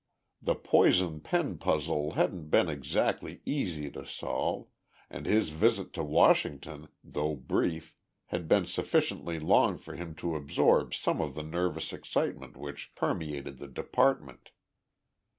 The "poison pen" puzzle hadn't been exactly easy to solve, and his visit to Washington, though brief, had been sufficiently long for him to absorb some of the nervous excitement which permeated the department.